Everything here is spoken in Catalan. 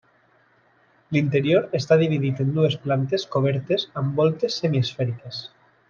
L'interior està dividit en dues plantes cobertes amb voltes semiesfèriques.